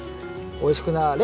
おいしくなれ。